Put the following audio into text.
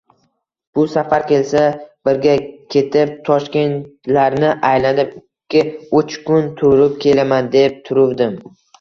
Bu safar kelsa, birga ketib Toshkentlarni aylanib ikki-uch kun turib kelaman, deb turuvdim